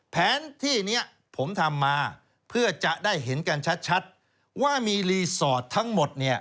แผนที่นี้ผมทำมาเพื่อจะได้เห็นกันชัดว่ามีรีสอร์ททั้งหมด